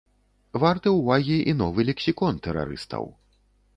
Варты ўвагі і новы лексікон тэрарыстаў.